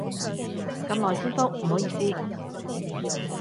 咁耐先覆，唔好意思